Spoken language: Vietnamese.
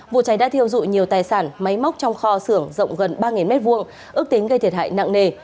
vụ cháy đã thiêu dụi nhiều tài sản máy móc trong kho xưởng rộng gần ba m hai ước tính gây thiệt hại nặng nề